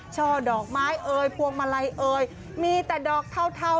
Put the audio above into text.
ช่อดอกไม้เอ่ยพวงมาลัยเอ่ยมีแต่ดอกเทาเทา